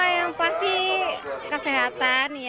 yang pasti kesehatan